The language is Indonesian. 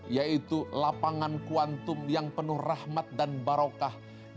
yaitu lapangan kuantum yang penuh rahmat dan barokah